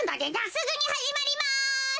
すぐにはじまります。